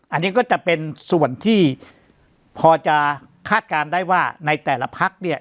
อันนี้ก็จะเป็นส่วนที่พอจะคาดการณ์ได้ว่าในแต่ละพักเนี่ย